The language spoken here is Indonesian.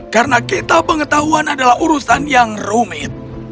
karena kitab pengetahuan adalah urusan yang rumit